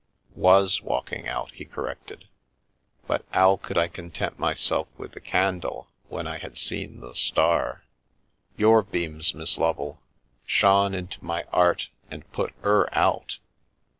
" Was walking out," he corrected, " but 'ow could I content myself with the candle when I had seen tjje star? Your beams, Miss Lovel, shone into my 'eart and put 'er out."